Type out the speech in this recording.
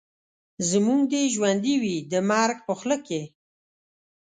زموږ دي ژوندون وي د مرګ په خوله کي